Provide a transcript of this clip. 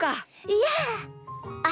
いやあ。